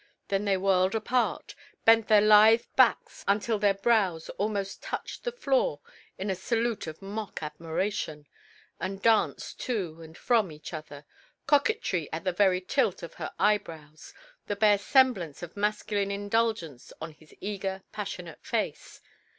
Then they whirled apart, bent their lithe backs until their brows almost touched the floor in a salute of mock admiration, and danced to and from each other, coquetry in the very tilt of her eyebrows, the bare semblance of masculine indulgence on his eager, passionate face.